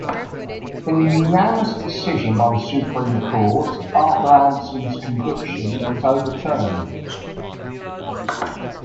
In a unanimous decision by the Supreme Court, Arthur Andersen's conviction was overturned.